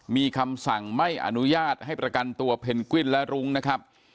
มีคำสั่งไม่อนุญาตให้ประกันตัวเพนกวิ้นและรุ้งนะครับ